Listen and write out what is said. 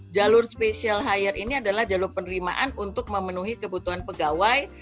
jalur spesial hire ini adalah jalur penerimaan untuk memenuhi kebutuhan pegawai